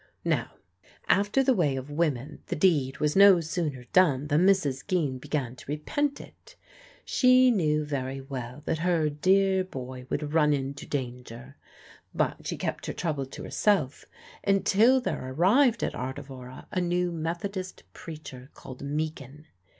Now, after the way of women, the deed was no sooner done than Mrs. Geen began to repent it. She knew very well that her dear boy would run into danger; but she kept her trouble to herself until there arrived at Ardevora a new Methodist preacher called Meakin.